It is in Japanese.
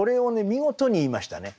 見事に言いましたね。